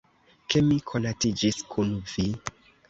Ke mi konatiĝis kun vi.